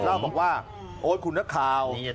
เล่าบอกว่าโอ๊ดคุณภาคคาว